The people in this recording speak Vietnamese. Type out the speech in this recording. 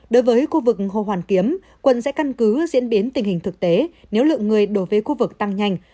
đối với khu vực hồ hoàn kiếm quận sẽ căn cứ diễn biến tình hình thực tế nếu lượng người đổ về khu vực tăng nhanh